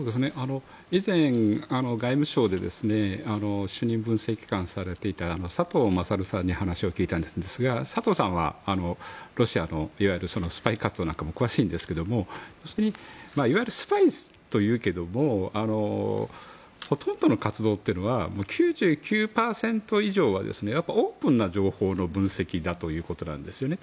以前、外務省で主任分析官をされていたサトウ・マサルさんに話を聞いたんですがサトウさんはロシアのいわゆるスパイ活動なんかも詳しいですがスパイというけどほとんどの活動というのは９９％以上はオープンな情報の分析だということなんですね。